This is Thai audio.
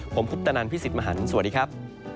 ผมพุทธนันท์พี่สิทธิ์มหันธ์สวัสดีครับ